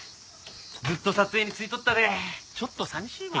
ずっと撮影についとったでちょっと寂しいわ。